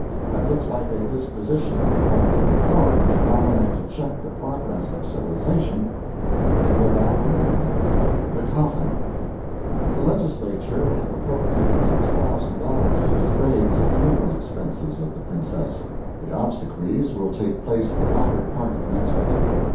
That looks like a disposition on the part of the authorities not only to check the progress of civilization, but to go backward a little. THE COFFIN The Legislature have appropriated $6,000 to defray the funeral expenses of the Princess. The obsequies will take place the latter part of next week.